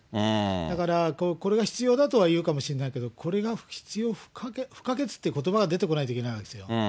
だから、これが必要だとは言うかもしれないけど、これが必要不可欠、不可欠ってことばが出てこないといけないわけですよ。